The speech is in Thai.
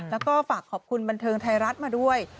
แล้วก็ฝากขอบคุณบันเทิงไทยรัฐมาด้วย